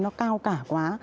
nó cao cả quá